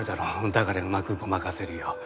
だからうまくごまかせるよ。